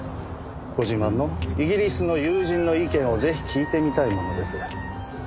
ご自慢のイギリスの友人の意見をぜひ聞いてみたいものです。